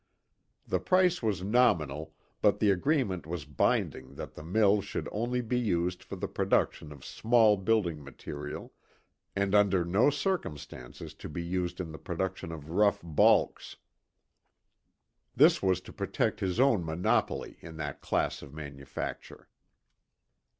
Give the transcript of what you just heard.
The price was nominal, but the agreement was binding that the mill should only be used for the production of small building material, and under no circumstances to be used in the production of rough "baulks." This was to protect his own monopoly in that class of manufacture.